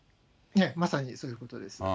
まさにそういうことです。